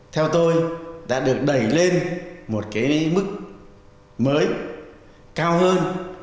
theo tôi đã được đẩy lên một cái mức mới cao hơn